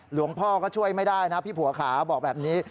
หลวงพ่อก็ช่วยไม่ได้นะพี่ผัวขาบอกแบบนี้